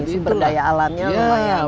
super daya alatnya lumayan